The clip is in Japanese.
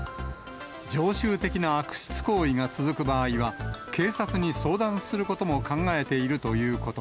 常習的な悪質行為が続く場合は、警察に相談することも考えている